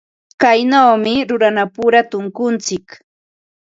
Kaynawmi runapura tunkuntsik.